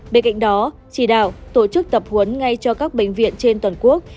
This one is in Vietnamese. bên cạnh đó chỉ đạo tổ chức tập huấn ngay cho các bệnh viện trên toàn quốc